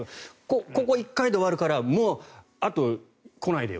ここ１回で終わるからあとは来ないでよ